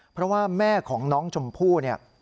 เพราะว่าแม่ของน้องชมพู่